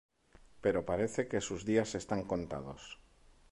Pero parece que sus días están contados.